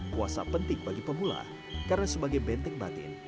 puasa penting bagi pemula karena sebagai benteng batin